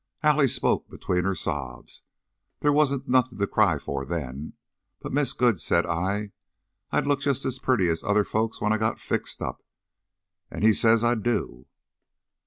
Allie spoke between her sobs. "There wasn't nothin' to cry for, then. But Miss Good said I I'd look jest as purty as other folks when I got fixed up. An' he says I do."